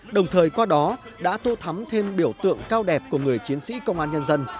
đồng thời qua đó đã tô thắm thêm biểu tượng cao đẹp của người chiến sĩ công an nhân dân